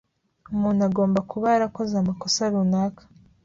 Umuntu agomba kuba yarakoze amakosa runaka.